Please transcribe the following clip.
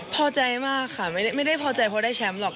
พอใจมากค่ะไม่ได้พอใจเพราะได้แชมป์หรอก